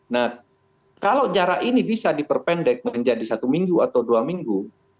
nah kalau jarak ini bisa diperpendek menjadi satu minggu atau dua minggu